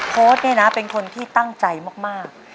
โพสต์เนี่ยนะเป็นคนที่ตั้งใจมาก